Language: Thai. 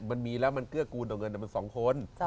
มันมีแล้วมันเกื้อกูลต่อเงินมัน๒คน